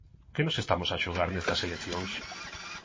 Que nos estamos a xogar nestas eleccións?